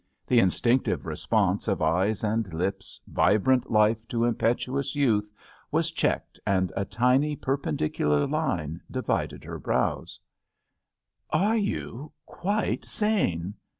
The in stinctive response of eyes and lips, vibrant life to impetuous youth, was checked and a tiny, perpendicular line divided her brows : "Are you quite sane?"